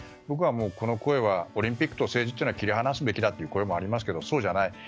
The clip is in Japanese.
僕は、この声はオリンピックと政治は切り離すべきだという声もありますがそうじゃない。